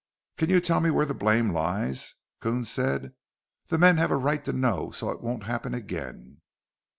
"Can you tell me where the blame lies?" Coons said. "The men have a right to know. So it won't happen again."